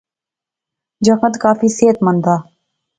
جنگت کافی صحت مند سا